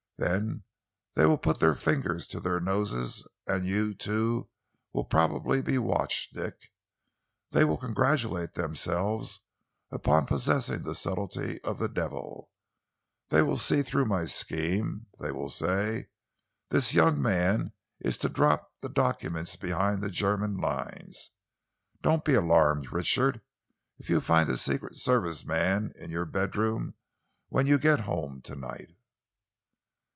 Then they will put their fingers to their noses and you, too, will probably be watched, Dick. They will congratulate themselves upon possessing the subtlety of the Devil. They will see through my scheme. They will say 'This young man is to drop the documents behind the German lines!' Don't be alarmed, Richard, if you find a secret service man in your bedroom when you get home to night."